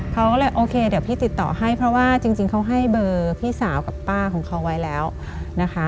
เขาก็เลยโอเคเดี๋ยวพี่ติดต่อให้เพราะว่าจริงเขาให้เบอร์พี่สาวกับป้าของเขาไว้แล้วนะคะ